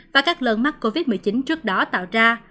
và các lần mắc covid một mươi chín trước đó tạo ra